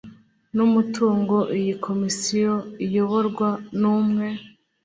n umutungo iyi komisiyo iyoborwa n umwe